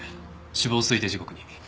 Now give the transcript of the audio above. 死亡推定時刻に。